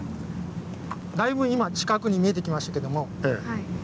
だいぶ今近くに見えてきましたけども。